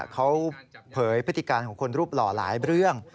เขาเผยพฤติการของคนรูปหล่อหลายเรื่อง